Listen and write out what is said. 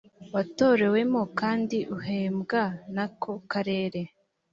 watorewemo kandi uhembwa n ako karere